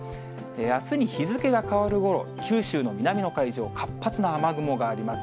あすに日付が変わるごろ、九州の南の海上、活発な雨雲があります。